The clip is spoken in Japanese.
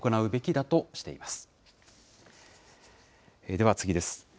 では次です。